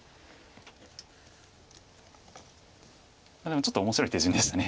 でもちょっと面白い手順でした。